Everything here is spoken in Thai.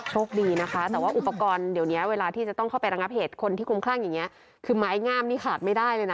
โชคดีนะคะแต่ว่าอุปกรณ์เดี๋ยวนี้เวลาที่จะต้องเข้าไประงับเหตุคนที่คลุมคลั่งอย่างนี้คือไม้งามนี่ขาดไม่ได้เลยนะ